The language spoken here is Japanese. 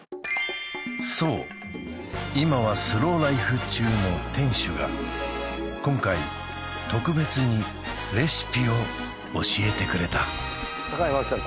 そう今はスローライフ中の店主が今回特別にレシピを教えてくれた坂井真紀さん